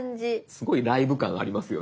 すごいライブ感ありますよね。